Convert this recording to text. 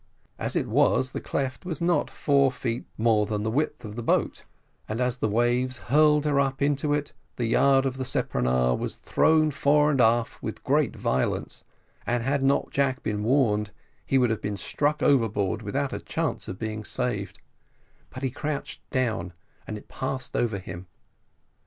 As it was, the cleft was not four feet more than the width of the boat, and as the waves hurled her up into it, the yard of the speronare was thrown fore and aft with great violence, and had not Jack been warned, he would have been struck overboard without a chance of being saved; but he crouched down and it passed over him.